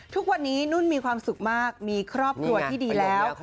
ทุกวันนี้นุ่นมีความสุขมากมีครอบครัวที่ดีแล้ว